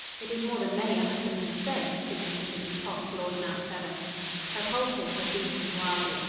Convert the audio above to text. It is more than many a husband can say," significantly coughed Lord Mount Severn. Her pulses were beating wildly.